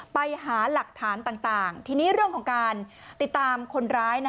ไปหาหลักฐานต่างทีนี้เรื่องของการติดตามคนร้าย